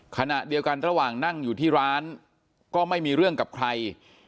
ขณะเดียวกันระหว่างนั่งอยู่ที่ร้านก็ไม่มีเรื่องกับใคร